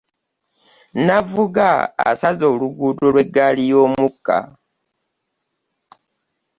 Navvuga asaze oluguudo lwe ggaali yomukka.